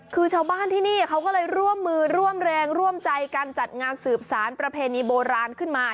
คือชาวบ้านที่นี่เขาก็เลยร่วมมือร่วมแรงร่วมใจกันจัดงานสืบสารประเพณีโบราณขึ้นมา